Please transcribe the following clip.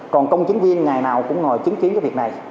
còn công chứng viên ngày nào cũng ngồi chứng kiến cái việc này